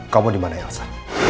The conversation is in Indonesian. kamu dimana elsa